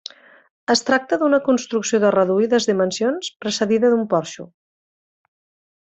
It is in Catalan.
Es tracta d'una construcció de reduïdes dimensions precedida d'un porxo.